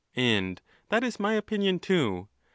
—And that is my opinion, too.